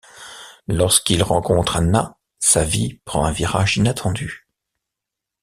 Lorsqu'il rencontre Anna, sa vie prend un virage inattendu.